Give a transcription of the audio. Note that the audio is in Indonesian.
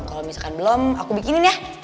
kalau misalkan belum aku bikinin ya